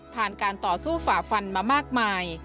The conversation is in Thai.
การต่อสู้ฝ่าฟันมามากมาย